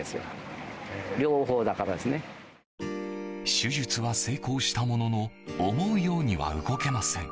手術は成功したものの思うようには動けません。